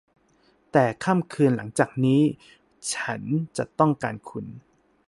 แต่ค่ำคืนหลังจากนี้ ฉันจะต้องการคุณ